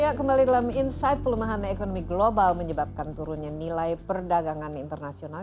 ya kembali dalam insight pelemahan ekonomi global menyebabkan turunnya nilai perdagangan internasional